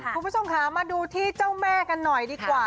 คุณผู้ชมค่ะมาดูที่เจ้าแม่กันหน่อยดีกว่า